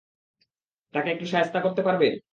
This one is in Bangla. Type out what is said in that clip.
তাকে একটু শায়েস্তা করতে পারবে?